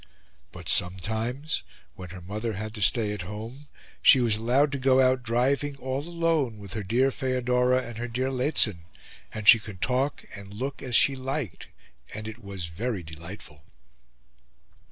But sometimes when her mother had to stay at home, she was allowed to go out driving all alone with her dear Feodora and her dear Lehzen, and she could talk and look as she liked, and it was very delightful.